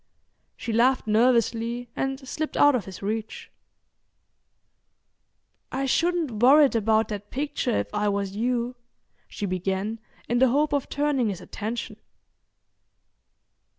She laughed nervously, and slipped out of his reach. "I shouldn't worrit about that picture if I was you," she began, in the hope of turning his attention.